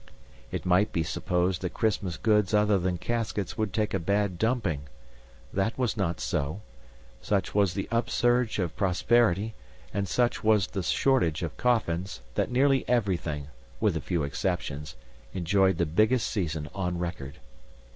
It might be supposed that Christmas goods other than caskets would take a bad dumping. That was not so. Such was the upsurge of prosperity, and such was the shortage of coffins, that nearly everything with a few exceptions enjoyed the biggest season on record.